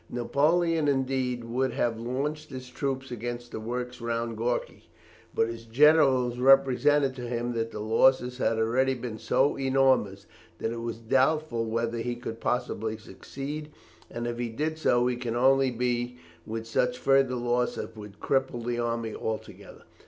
Napoleon, indeed, would have launched his troops against the works round Gorki, but his generals represented to him that the losses had already been so enormous, that it was doubtful whether he could possibly succeed, and if he did so, it could only be with such further loss as would cripple the army altogether.